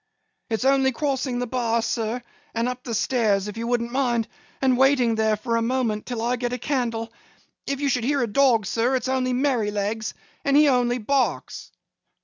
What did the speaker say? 'It's only crossing the bar, sir, and up the stairs, if you wouldn't mind, and waiting there for a moment till I get a candle. If you should hear a dog, sir, it's only Merrylegs, and he only barks.